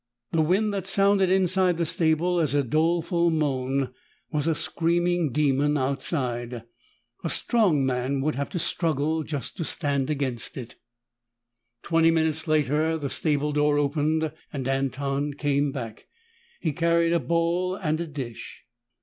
The wind that sounded inside the stable as a doleful moan, was a screaming demon outside. A strong man would have to struggle just to stand against it. Twenty minutes later, the stable door opened and Anton came back. He carried a bowl and a dish.